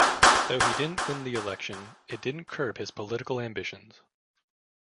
Though he didn't win the election, it didn't curb his political ambitions.